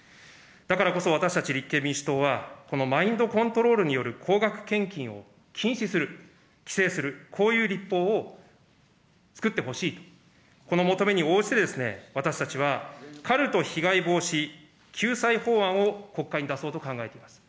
だからこそ私たち立憲民主党は、このマインドコントロールによる高額献金を禁止する、規制する、こういう立法を作ってほしいと、この求めに応じて、私たちはカルト被害防止・救済法案を国会に出そうと考えています。